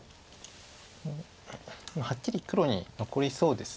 もうはっきり黒に残りそうです。